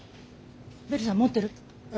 ベルさん持ってる？え？